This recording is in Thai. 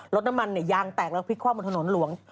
รถน้ำมันยางแตกแล้วพลิกความบนถนนหลวง